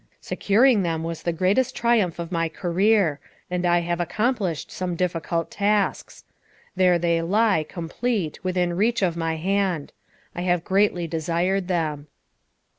Securing them was the greatest triumph of my career, and I have accomplished some difficult tasks. There they lie, complete, within reach of my hand. I have greatly desired them.